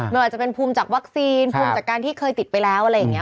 ไม่ว่าจะเป็นภูมิจากวัคซีนภูมิจากการที่เคยติดไปแล้วอะไรอย่างนี้